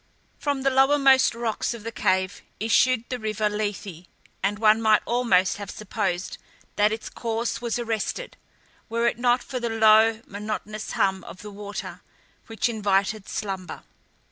From the lowermost rocks of the cave issued the river Lethe, and one might almost have supposed that its course was arrested, were it not for the low, monotonous hum of the water, which invited slumber.